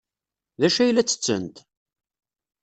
D acu ay la ttettent?